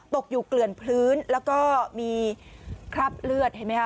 ตกอยู่เกลื่อนพื้นแล้วก็มีคราบเลือดเห็นไหมคะ